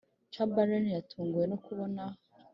chamberlain yatunguwe no kubona: